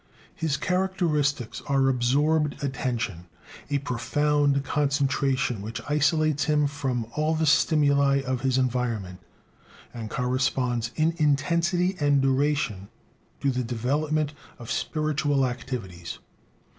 His characteristics are absorbed attention, a profound concentration which isolates him from all the stimuli of his environment, and corresponds in intensity and duration to the development of spiritual activities.